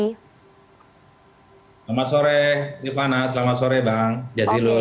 selamat sore ini panah selamat sore bang jazilul